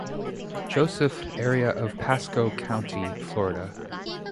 Joseph area of Pasco County, Florida.